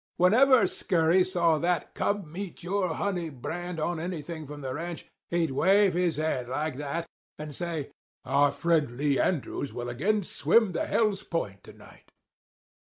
Whenever Scurry saw that come meet your honey brand on anything from the ranch, he'd wave his hand like that, and say, 'Our friend Lee Andrews will again swim the Hell's point to night.